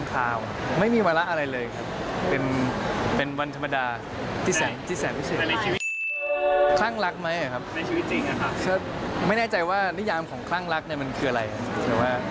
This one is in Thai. ก็อันนี้ก็เป็นแบบกลืนบ้างคล้างเคราะห์